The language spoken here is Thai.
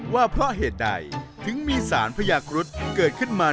ว่าเพราะเหตุใดถึงมีสารพญาครุฑเกิดขึ้นมา